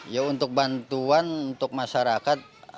ya untuk bantuan untuk masyarakat